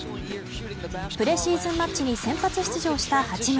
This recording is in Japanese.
プレシーズンマッチに先発出場した八村。